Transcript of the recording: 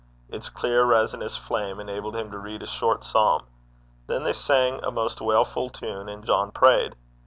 Its clear resinous flame enabled him to read a short psalm. Then they sang a most wailful tune, and John prayed.